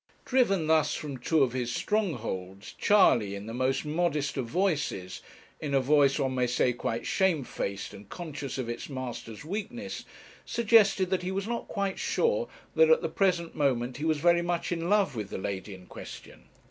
Driven thus from two of his strongholds, Charley, in the most modest of voices, in a voice one may say quite shamefaced and conscious of its master's weakness suggested that he was not quite sure that at the present moment he was very much in love with the lady in question.